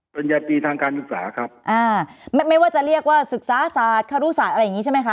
ญาตีทางการศึกษาครับอ่าไม่ไม่ว่าจะเรียกว่าศึกษาศาสตร์คารุศาสตร์อะไรอย่างงี้ใช่ไหมคะ